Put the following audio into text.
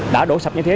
đã đổ sập như thế